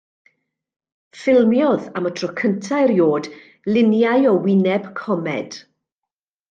Ffilmiodd, am y tro cyntaf erioed, luniau o wyneb comed.